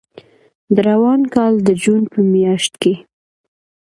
د روان کال د جون په میاشت کې